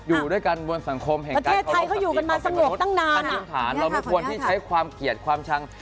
อยู่ด้วยกันบนสังคมแห่งการความขัดแย้ง